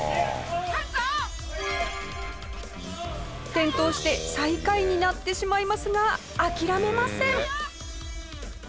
転倒して最下位になってしまいますが諦めません。